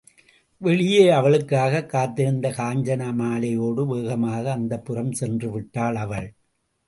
வெளியே அவளுக்காகக் காத்திருந்த காஞ்சனமாலையோடு வேகமாக அந்தப்புரம் சென்றுவிட்டாள் அவள்.